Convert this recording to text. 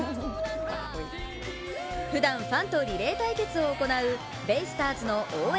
ふだん、ファンとリレー対決を行うベイスターズの応援